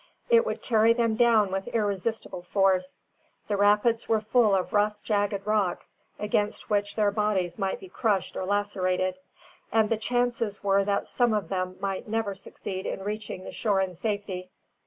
It would carry them down with irresistible force. The rapids were full of rough jagged rocks, against which their bodies might be crushed or lacerated; and the chances were that some of them might never succeed in reaching the shore in safety.